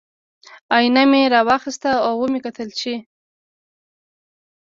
ائینه مې را واخیسته او ومې کتل چې